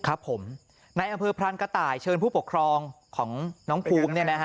ครับผมในอำเภอพรรณกต่ายเชิญผู้ปกครองของน้องครู